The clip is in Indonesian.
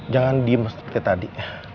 jangan diem seperti tadi